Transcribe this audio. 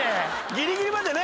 ギリギリまでね。